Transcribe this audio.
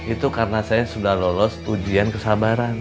itu karena saya sudah lolos ujian kesabaran